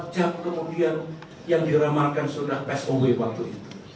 dua puluh empat jam kemudian yang diramalkan sudah pesonggui waktu itu